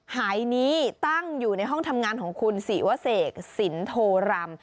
หายนี้ตั้งอยู่ในห้องทำงานของคุณศิวเสกสินโทรำ